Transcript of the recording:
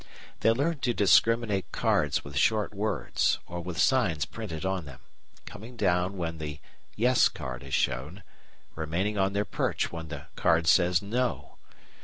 They learn to discriminate cards with short words or with signs printed on them, coming down when the "Yes" card is shown, remaining on their perch when the card says "No."